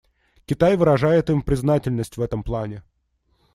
Китай выражает им признательность в этом плане.